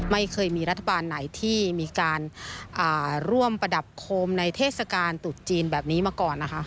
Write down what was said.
ไม่เคยมีรัฐบาลไหนที่มีการร่วมประดับโคมในเทศกาลตรุษจีนแบบนี้มาก่อนนะคะ